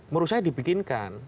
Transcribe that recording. menurut saya dibikinkan